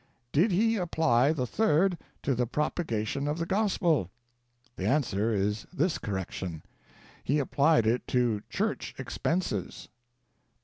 Did he apply the third to the "propagation of the Gospel f The answer is this correction: He applied it to "church ex penses."